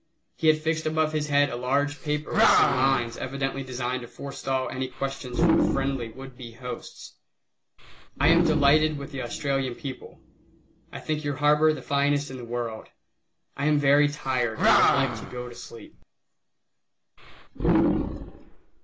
He had fixed above his head a large paper with some lines evidently designed to forestall any questions from friendly would be hosts: "I am delighted with the Australian people. I think your harbor the finest in the world. I am very tired and would like to go to sleep."